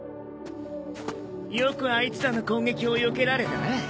よくあいつらの攻撃をよけられたな。